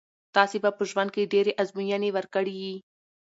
تاسي به په ژوند کښي ډېري آزمویني ورکړي يي.